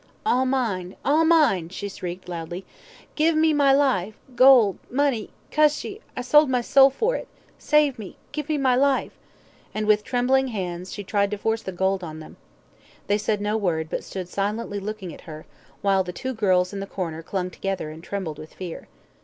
"All mine all mine," she shrieked, loudly. "Give me my life gold money cuss ye I sold my soul for it save me give me my life," and, with trembling hands, she tried to force the gold on them. They said no word, but stood silently looking at her, while the two girls in the corner clung together, and trembled with fear.